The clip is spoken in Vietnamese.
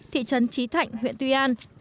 thị trấn trí thạnh huyện tuy an